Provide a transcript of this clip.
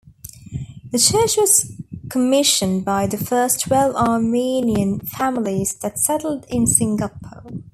The church was commissioned by the first twelve Armenian families that settled in Singapore.